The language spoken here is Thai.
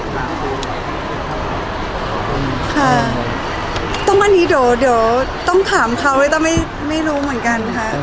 ค่ะต้องวันนี้เดี๋ยวเดี๋ยวต้องถามเขาไว้แต่ไม่ไม่รู้เหมือนกันค่ะ